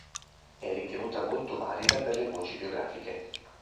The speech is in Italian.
È ritenuta molto valida per le voci biografiche.